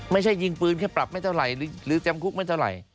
ไม่ใช่ยิงปืนแค่ปรับไม่เท่าไหร่หรือจำคุกไม่เท่าไหร่